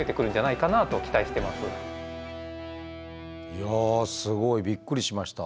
いやすごいびっくりしました。